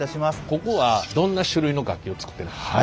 ここはどんな種類の楽器を作ってるんですか？